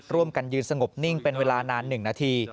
ร่วมกันยืนสงบนิ่งเป็นเวลานาน๑นาที